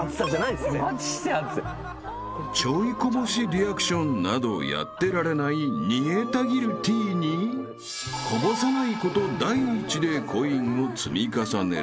［ちょいこぼしリアクションなどやってられない煮えたぎるティーにこぼさないこと第一でコインを積み重ねる］